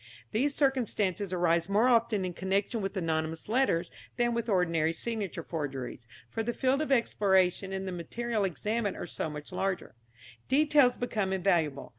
These circumstances arise more often in connection with anonymous letters than with ordinary signature forgeries, for the field of exploration and the material examined are so much larger. Details become invaluable.